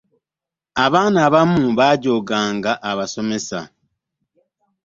Abaana abamu baajooganga abasomesa.